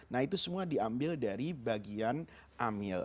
nah itu semua diambil dari bagian amil